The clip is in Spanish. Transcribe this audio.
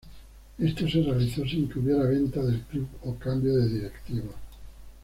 Esto se realizó sin que hubiera venta del club o cambio de directivos.